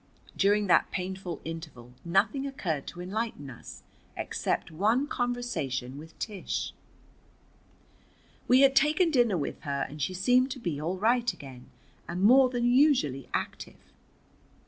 During that painful interval nothing occurred to enlighten us, except one conversation with Tish. We had taken dinner with her, and she seemed to be all right again and more than usually active.